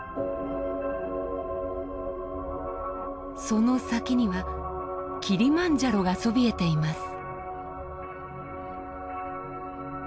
その先にはキリマンジャロがそびえています。